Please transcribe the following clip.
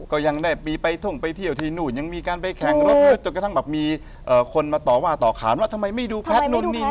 ก็ยังได้ไปท่องไปเที่ยวที่นู่นยังมีการไปแข่งรถจนกระทั่งแบบมีคนมาต่อว่าต่อขานว่าทำไมไม่ดูแพทย์นู่นนี่นั่น